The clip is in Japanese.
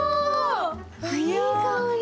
いい香り。